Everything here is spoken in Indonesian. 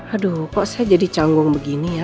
aduh kok saya jadi canggung begini ya